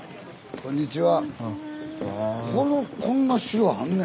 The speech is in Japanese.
こんにちは。